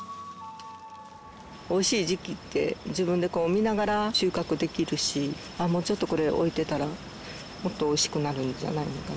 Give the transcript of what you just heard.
美味しい時期って自分でこう見ながら収穫できるしもうちょっとこれ置いてたらもっと美味しくなるんじゃないのかなとか。